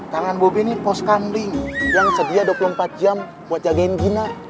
tangan bobi ini pos kamling yang sedia dua puluh empat jam buat jagain gina